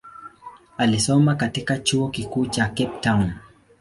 Alisoma katika chuo kikuu cha Cape Town.